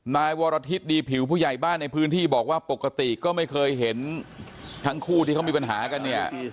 นายวรทิศดีผิวผู้ใหญ่บ้านในพื้นที่บอกว่าปกติก็ไม่เคยเห็นทั้งคู่ที่เขามีปัญหากันเนี่ย